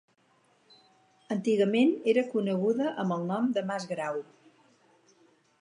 Antigament era coneguda amb el nom de Mas Grau.